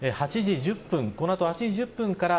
８時１０分この後８時１０分から